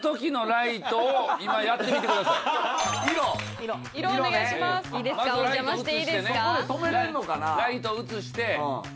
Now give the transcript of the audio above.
ライト映して。